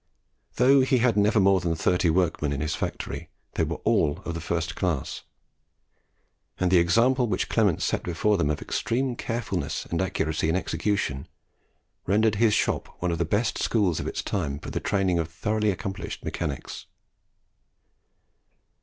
Though he had never more than thirty workmen in his factory, they were all of the first class; and the example which Clement set before them of extreme carefulness and accuracy in execution rendered his shop one of the best schools of its time for the training of thoroughly accomplished mechanics.